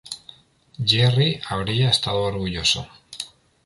Jerry habría estado orgulloso.